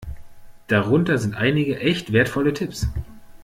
Darunter sind einige echt wertvolle Tipps.